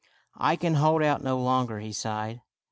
" I can hold out no longer," he sighed.